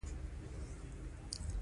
مشروطه وال پرې اعتراض کوي.